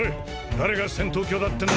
誰が戦闘狂だってんだ！